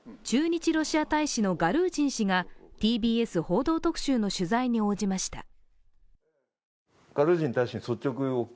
駐日ロシア大使のガルージン氏がＴＢＳ「報道特集」の取材に応じました